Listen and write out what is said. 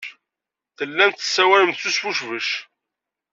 Tellam tessawalem s usbucbec.